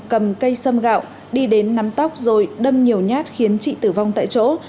cầm cây sâm gạo đi đến nắm tóc rồi đâm nhiều nhát khiến chị tử vong tại chỗ